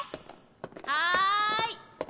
はい！